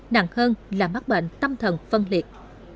nặng hơn là mắc bệnh tâm thần phân liệt